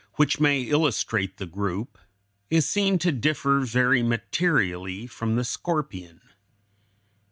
170), which may illustrate the group, is seen to differ very materially from the scorpion.